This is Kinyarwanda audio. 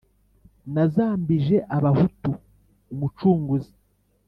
Nazambije abahutu umucunguzi